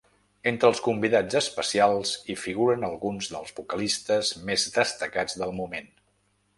Entre els convidats especials, hi figuren alguns dels vocalistes més destacats del moment.